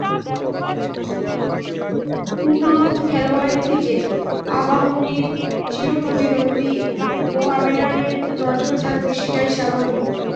চুন্নুর মতো খেলোয়াড়ের দিকে আবাহনীর চিরপ্রতিদ্বন্দ্বী মোহামেডানের নজর থাকবে, সেটাই স্বাভাবিক।